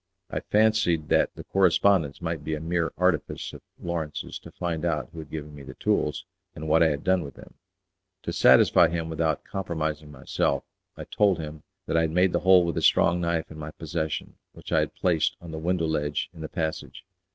I fancied that the correspondence might be a mere artifice of Lawrence's to find out who had given me the tools, and what I had done with them. To satisfy him without compromising myself I told him that I had made the hole with a strong knife in my possession, which I had placed on the window ledge in the passage.